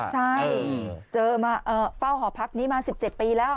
ใช่เจอมาเฝ้าหอพักนี้มา๑๗ปีแล้ว